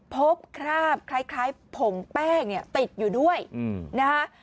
คราบคล้ายผงแป้งเนี่ยติดอยู่ด้วยนะคะ